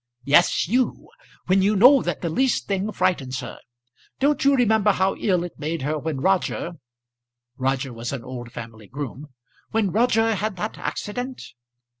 "Yes, you; when you know that the least thing frightens her. Don't you remember how ill it made her when Roger" Roger was an old family groom "when Roger had that accident?"